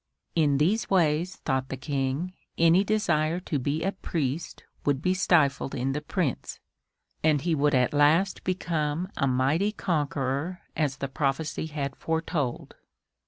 In these ways, thought the King, any desire to be a priest would be stifled in the Prince, and he would at last become a mighty conqueror as the prophecy had foretold.